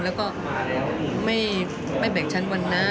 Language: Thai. แล้วก็ไม่แบ่งชั้นวันนะ